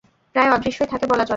প্রায় অদৃশ্যই থাকে বলা চলে।